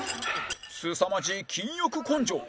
すさまじい金欲根性！